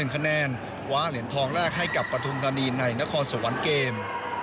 กว้าเหลียนทองแรกให้กับประธุมธนีย์ในนครสวรรค์เกม